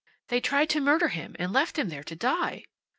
They tried to murder him; left him there to die!"